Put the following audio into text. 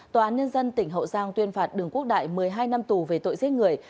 tòa án nhân dân tỉnh hậu giang tuyên phạt đường quốc đại một mươi hai năm tù về tội giết người